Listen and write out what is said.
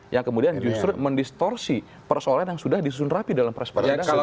yang kemudian justru mendistorsi persoalan yang sudah disun rapi dalam proses persidangan